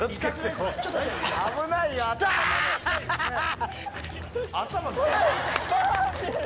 危ないよ、頭。